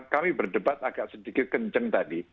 kami berdebat agak sedikit kenceng tadi